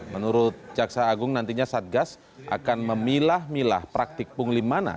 menurut jaksa agung nantinya satgas akan memilah milah praktik pungli mana